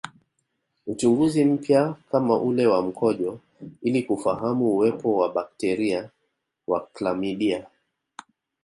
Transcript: Uchunguzi mpya kama ule wa mkojo ili kufahamu uwepo wa bakteria wa klamidia